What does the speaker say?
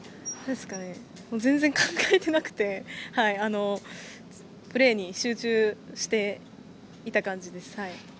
全然考えていなくてプレーに集中していた感じです。